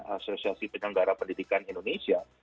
asosiasi penyelenggara pendidikan indonesia